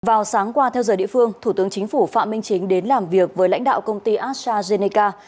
vào sáng qua theo giờ địa phương thủ tướng chính phủ phạm minh chính đến làm việc với lãnh đạo công ty astrazeneca